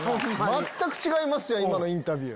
全く違いますやん今のインタビュー。